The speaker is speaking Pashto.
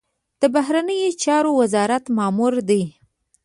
د بهرنیو چارو وزارت مامور دی.